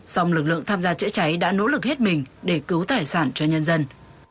song lực lượng tham gia chữa cháy đã nỗ lực hết mình để cứu tài sản cho nhân dân